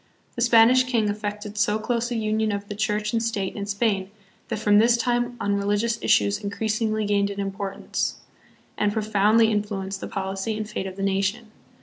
The Spanish king effected so close a union of the church and state in Spain, that from this time on religious issues increasingly gained in importance, and profoundly influenced the policy and fate of the nation.